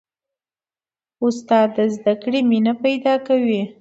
استاد د زده کړې مینه پیدا کوي.